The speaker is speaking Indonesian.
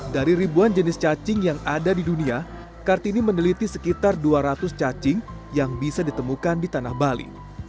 dari ribuan jenis cacing yang ada di dunia kartini meneliti sekitar dua ratus cacing yang bisa ditemukan di tanah bali